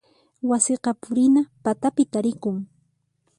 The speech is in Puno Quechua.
Wasiqa purina patapi tarikun.